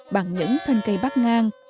bằng những thân cây bắc ngang